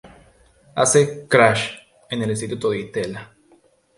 Hace "Crash" en el Instituto Di Tella.